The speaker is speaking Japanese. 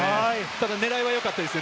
ただ狙いは良かったです。